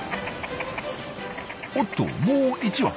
おっともう１羽。